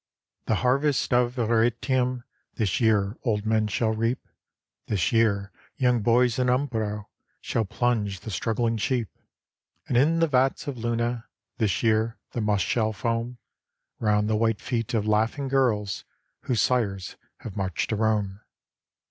The harvests of Arretium, This year, old men shall reap, This year, young boys in Umbro Shall plunge the struggHng sheep; And in the vats of Luna, This year, the must shall foam Round the white feet of laughing girls Whose sires have marched to Rome.